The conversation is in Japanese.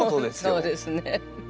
そうですね。